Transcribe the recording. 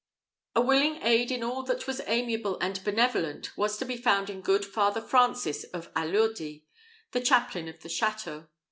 A willing aid in all that was amiable and benevolent was to be found in good Father Francis of Allurdi, the chaplain of the château.